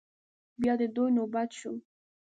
بيا د دوی نوبت شو.